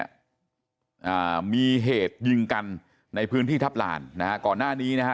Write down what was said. อ่ามีเหตุยิงกันในพื้นที่ทัพลานนะฮะก่อนหน้านี้นะฮะ